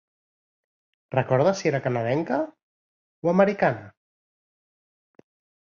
Recordes si era canadenca, o americana?